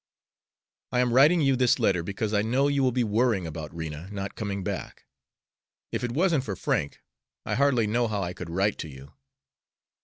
I am writing you this letter because I know you will be worrying about Rena not coming back. If it wasn't for Frank, I hardly know how I could write to you.